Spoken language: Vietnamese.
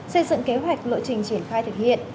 xây dựng kế hoạch lộ trình triển khai thực hiện